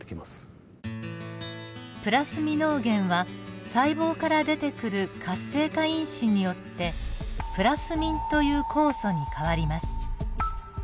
プラスミノゲンは細胞から出てくる活性化因子によってプラスミンという酵素に変わります。